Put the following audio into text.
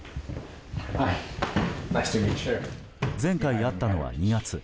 前回会ったのは２月。